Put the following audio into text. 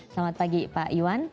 selamat pagi pak iwan